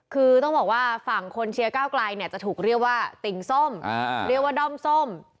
คือต้องบอกว่าฝั่งคนเชียร์ก้าวไกลเนี่ยจะถูกเรียกว่าติ่งส้มเรียกว่าด้อมส้ม